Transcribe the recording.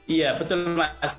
iya betul mas